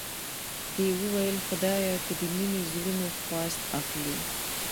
دې وویل خدایه که د مینې زړونو خواست اخلې.